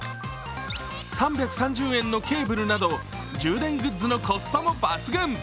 ３３０円のケーブルなど、充電グッズのコスパも抜群。